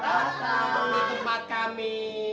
selamat datang di rumah kami